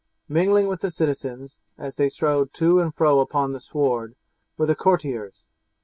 Mingling with the citizens, as they strolled to and fro upon the sward, were the courtiers.